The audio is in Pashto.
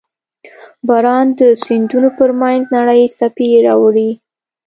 • باران د سیندونو پر مخ نرۍ څپې راوړي.